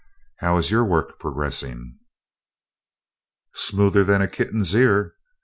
How is your work progressing?" "Smoother than a kitten's ear.